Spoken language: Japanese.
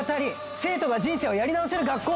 『生徒が人生をやり直せる学校』。